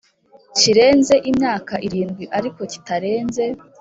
Kirenze Imyaka Irindwi Ariko Kitarenze